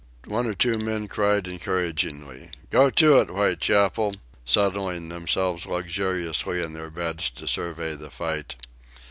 One or two men cried encouragingly: "Go it, Whitechapel!" settling themselves luxuriously in their beds to survey the fight.